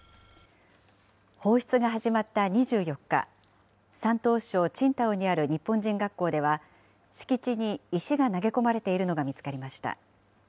放出が始まった２４日、山東省青島にある日本人学校では、敷地に石が投げ込まれているのが見つかりました。